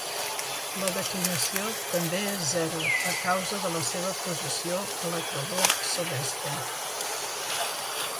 La declinació també és zero a causa de la seva posició a l'equador celeste.